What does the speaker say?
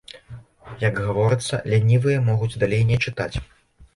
Як гаворыцца, лянівыя могуць далей не чытаць.